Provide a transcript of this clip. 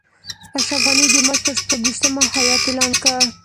اشرف غني د مارچ پر شپږویشتمه هیات اعلان کړ.